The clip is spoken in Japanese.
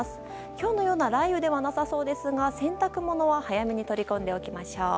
今日のような雷雨ではなさそうですが洗濯物は早めに取り込んでおきましょう。